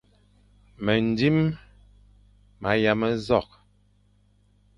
Mendzim nwokh ma yam nzokh.